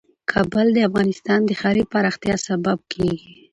کابل د افغانستان د ښاري پراختیا سبب کېږي.